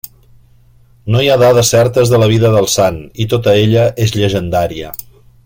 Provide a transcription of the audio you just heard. No hi ha dades certes de la vida del sant, i tota ella és llegendària.